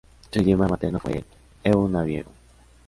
Su idioma materno fue el eonaviego.